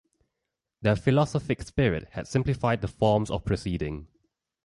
Their philosophic spirit had simplified the forms of proceeding.